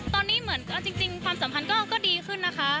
ตอนนี้เหมือนเอาจริงความสัมพันธ์ก็ดีขึ้นนะคะ